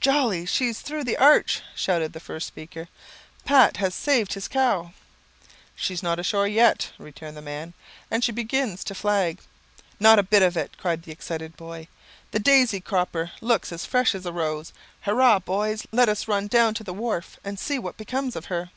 "Jolly! she's through the arch!" shouted the first speaker. "Pat has saved his cow!" "She's not ashore yet," returned the man. "And she begins to flag." "Not a bit of it," cried the excited boy. "The old daisy cropper looks as fresh as a rose. Hurrah, boys! let us run down to the wharf, and see what becomes of her."